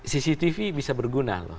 cctv bisa berguna